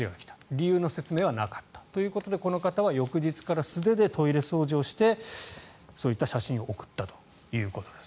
理由の説明はなかったということでこの方は翌日から素手でトイレ掃除をしてそういった写真を送ったということです。